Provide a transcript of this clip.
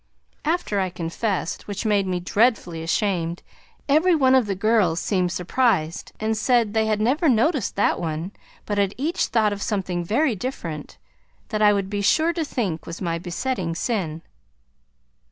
After I confessed, which made me dreadfully ashamed, every one of the girls seemed surprised and said they had never noticed that one but had each thought of something very different that I would be sure to think was my besetting sin.